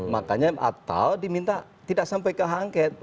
makanya atau diminta tidak sampai ke hak angket